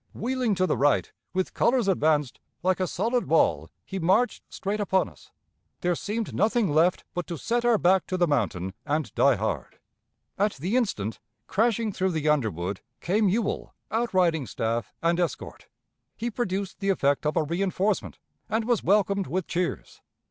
Wheeling to the right, with colors advanced, like a solid wall he marched straight upon us. There seemed nothing left but to set our back to the mountain and die hard. At the instant, crashing through the underwood, came Ewell, outriding staff and escort. He produced the effect of a reënforcement, and was welcomed with cheers.